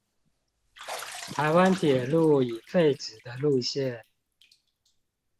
臺灣鐵路已廢止的路線